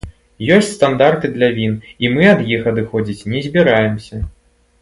Ёсць стандарты для він, і мы ад іх адыходзіць не збіраемся.